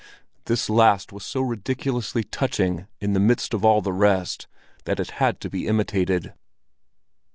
This last was so ridiculously touching in the midst of all the rest, that it had to be imitated.